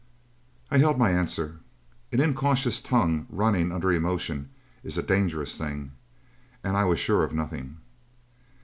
I held my answer. An incautious tongue running under emotion is a dangerous thing. And I was sure of nothing.